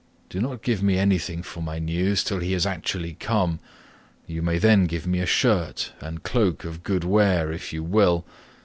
Do not give me anything for my news till he has actually come, you may then give me a shirt and cloak of good wear if you will.